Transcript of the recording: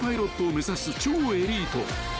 目指す超エリート］